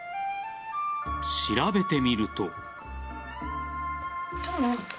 調べてみると。